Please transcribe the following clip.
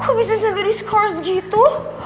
aku bisa sampai discourse gitu